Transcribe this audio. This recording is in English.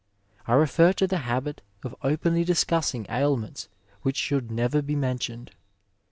I refer to the habit of openly discussing ailments which should never be mentioned.